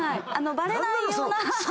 バレないような。